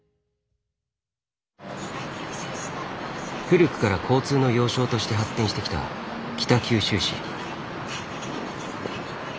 古くから交通の要衝として発展してきた北九州市。